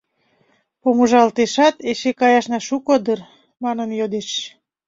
Помыжалтешат, «эше каяшна шуко дыр?» манын йодеш.